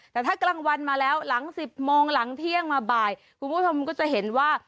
แต่ถ้ากลางวันมาแล้วหลัง๑๐โมงหลังเที่ยงมาบ่ายคุณผู้ชมก็จะเห็นว่า